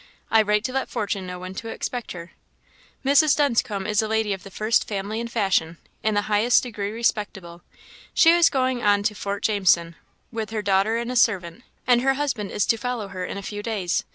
I write to let Fortune know when to expect her. Mrs. Dunscombe is a lady of the first family and fashion in the highest degree respectable; she is going on to Fort Jameson, with her daughter and a servant, and her husband is to follow her in a few days.